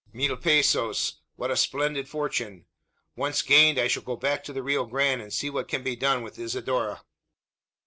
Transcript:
Mil pesos! What a splendid fortune! Once gained, I shall go back to the Rio Grande, and see what can be done with Isidora."